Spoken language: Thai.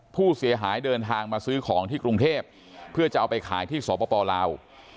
ผู้เสียหายเดินทางมาซื้อของที่กรุงเทพเพื่อจะเอาไปขายที่สปลาว